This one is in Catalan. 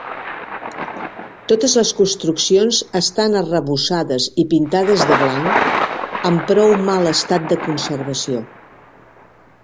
Totes les construccions estan arrebossades i pintades de blanc, en prou mal estat de conservació.